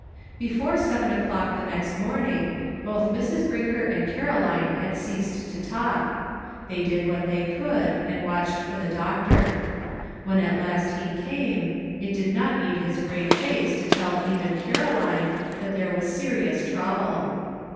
Before seven o'clock the next morning both Mrs. Brinker and Caroline had ceased to talk ; they did what they could, and watched for the doctor. When at last he came, it did not need his grave face to tell even Caroline that there was serious trouble.